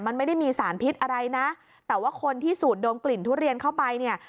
มันไม่ได้มีสารพิษอะไรนะแต่ว่าคนที่สูดดมกลิ่นทุเรียนเข้าไปเนี่ย